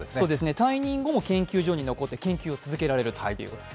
退任後も研究室に残って、研究を続けられるということです。